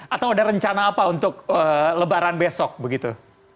atau ada rencana apa untuk lebaran besok begitu